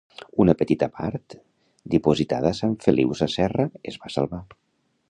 Una petita part, dipositada a Sant Feliu Sasserra, es va salvar.